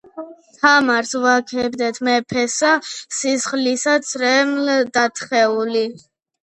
თამარს ვაქებდეთ მეფესა სისხლისა ცრემლ-დათხეული